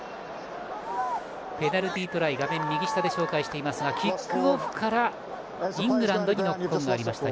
ペナルティートライ画面右下で紹介していますがキックオフからイングランドにノックオンがありました。